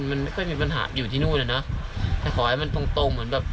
มันไม่ค่อยมีปัญหาอยู่ที่นู่นอ่ะเนอะแต่ขอให้มันตรงตรงเหมือนแบบ